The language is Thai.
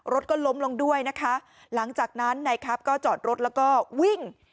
รถก็ล้มลงด้วยนะคะหลังจากนั้นนายครับก็จอดรถแล้วก็วิ่ง